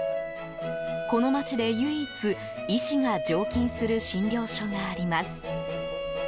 この町で唯一、医師が常勤する診療所があります。